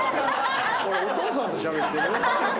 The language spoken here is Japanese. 俺お父さんとしゃべってる？